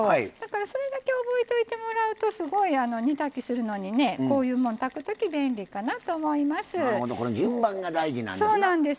それだけ覚えといてもらうとすごい、煮炊きするのにこういうもんを炊くとき便利かなと思います。